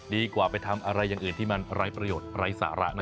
ดีกว่าไปทำอะไรอย่างอื่นที่มันไร้ประโยชน์ไร้สาระนะ